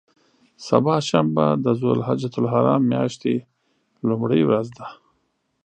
سبا شنبه د ذوالحجة الحرام میاشتې لومړۍ ورځ ده.